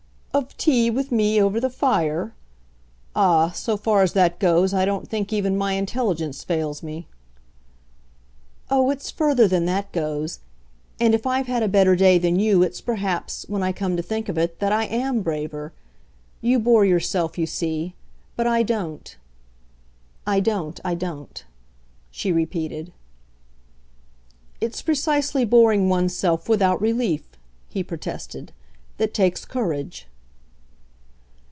"Of tea with me over the fire? Ah, so far as that goes I don't think even my intelligence fails me." "Oh, it's further than that goes; and if I've had a better day than you it's perhaps, when I come to think of it, that I AM braver. You bore yourself, you see. But I don't. I don't, I don't," she repeated. "It's precisely boring one's self without relief," he protested, "that takes courage."